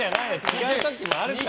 違う時もあるから！